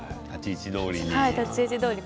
立ち位置どおりに。